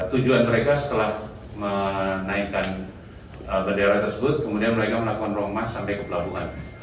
tujuan mereka setelah menaikkan bendera tersebut kemudian mereka melakukan romah sampai ke pelabuhan